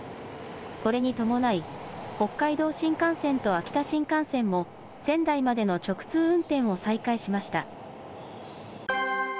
これに伴い、北海道新幹線と秋田新幹線も、仙台までの直通運転を再開しました。